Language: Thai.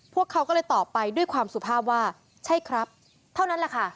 พวกเขาก็เลยตอบไปด้วยความสุภาพว่าใช่ครับเท่านั้นแหละค่ะ